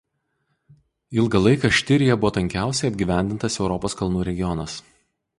Ilgą laiką Štirija buvo tankiausiai apgyvendintas Europos kalnų regionas.